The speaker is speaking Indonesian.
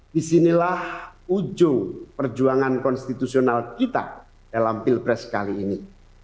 disinilah ujung perjuangan konstitusional kita dalam pilpres kali ini